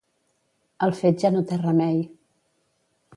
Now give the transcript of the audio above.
El fet ja no té remei.